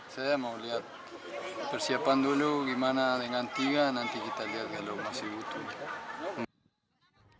saya mau lihat persiapan dulu gimana dengan tiga nanti kita lihat kalau masih butuh